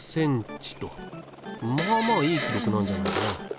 まあまあいい記録なんじゃないかな。